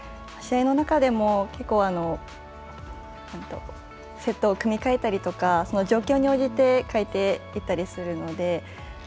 試合の中でも結構セットを組み替えたりとか状況に応じて変えていったりするので。